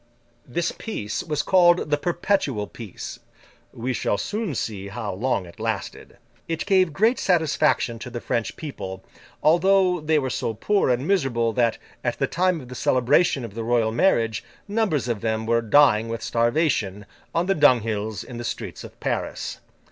This peace was called the Perpetual Peace; we shall soon see how long it lasted. It gave great satisfaction to the French people, although they were so poor and miserable, that, at the time of the celebration of the Royal marriage, numbers of them were dying with starvation, on the dunghills in the streets of Paris.